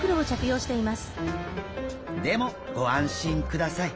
でもご安心ください。